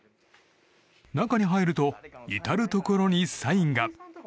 中に入ると至るところにサインが。